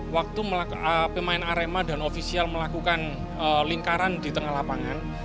waktu pemain arema dan ofisial melakukan lingkaran di tengah lapangan